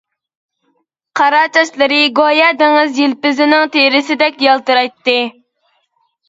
قارا چاچلىرى گويا دېڭىز يىلپىزىنىڭ تېرىسىدەك يالتىرايتتى.